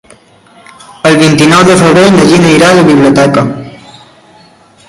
El vint-i-nou de febrer na Gina irà a la biblioteca.